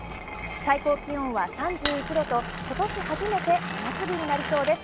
最高気温は３１度と今年初めて真夏日になりそうです。